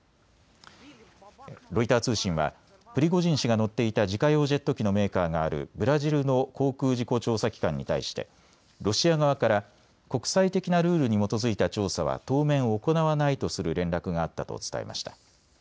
ロイター通信はプリゴジン氏が乗っていた自家用ジェット機のメーカーがあるブラジルの航空事故調査機関に対してロシア側から国際的なルールに基づいた調査は当面、行わないとする連絡があったと伝えました。